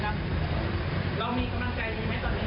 เรามีกำลังใจดีไหมตอนนี้